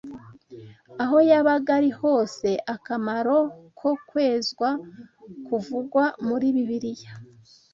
aho yabaga ari hose, akamaro ko kwezwa kuvugwa muri Bibiliya